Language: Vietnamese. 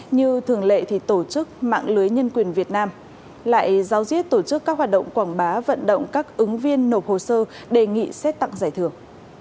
như thường lệ thì tổ chức mạng lưới nhân quyền việt nam lại giáo diết tổ chức các hoạt động quảng bá vận động các ứng viên nộp hồ sơ đề nghị xét tặng giải thưởng